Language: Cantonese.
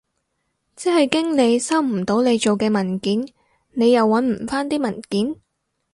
即係經理收唔到你做嘅文件，你又搵唔返啲文件？